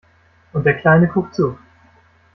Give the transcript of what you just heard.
Und der Kleine guckt zu.